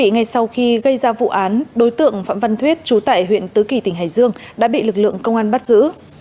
ngay sau khi gây ra vụ án đối tượng phạm văn thuyết trú tại huyện tứ kỳ tỉnh hải dương đã bị lực lượng công an bắt giữ